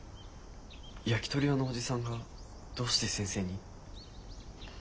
焼きとり屋のおじさんがどうして先生に？